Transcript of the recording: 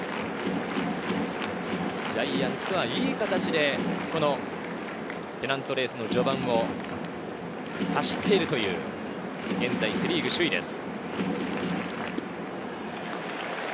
ジャイアンツはいい形でペナントレースの序盤を走っているという現在セ・リーグ首位です。